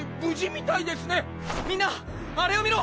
みんなあれを見ろ！